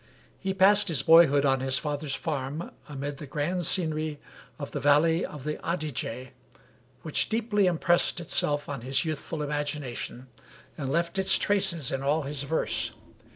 He passed his boyhood on his father's farm, amid the grand scenery of the valley of the Adige, which deeply impressed itself on his youthful imagination and left its traces in all his verse.